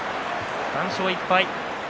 ３勝１敗。